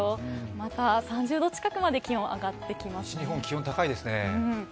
また、３０度近くまで気温上がってきますね。